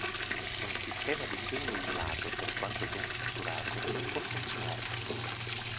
Un sistema di segni isolato, per quanto ben strutturato, non può funzionare da solo.